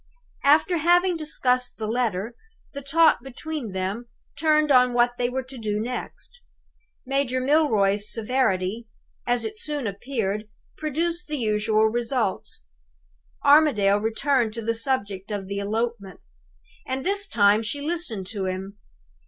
"After having discussed the letter, the talk between them turned on what they were to do next. Major Milroy's severity, as it soon appeared, produced the usual results. Armadale returned to the subject of the elopement; and this time she listened to him.